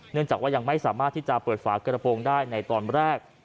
เนื่องจากว่ายังไม่สามารถที่จะเปิดฝากระโปรงได้ในตอนแรก